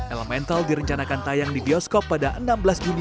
elemental direncanakan tayang di bioskop pada enam belas juni dua ribu dua puluh tiga